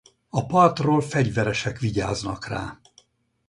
A partról fegyveresek vigyáznak rá.